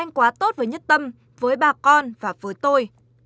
quá tốt với nhất tâm với bà con và với tôi